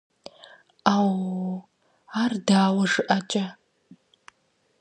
- Ӏэууу! Ар дауэ жыӀэкӀэ?